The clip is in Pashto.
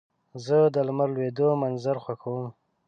زه د لمر لوېدو منظر خوښوم.